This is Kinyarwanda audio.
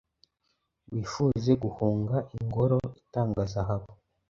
Wifuze guhunga ingoro itanga zahabu